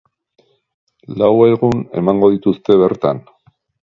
Lau egun emango dituzte bertan.